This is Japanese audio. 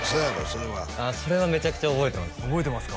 それはそれはめちゃくちゃ覚えてます